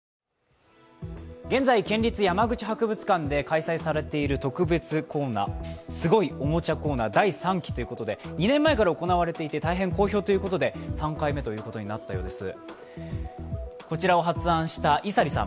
現在、県立山口博物館で開催されている特別コーナー、すごいおもちゃコーナー第３期ということで２年前から行われていて大変好評ということで、３回目となったようです。